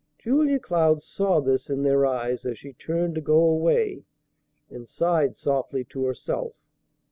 Julia Cloud saw this in their eyes as she turned to go away, and sighed softly to herself.